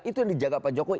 itu yang dijaga pak jokowi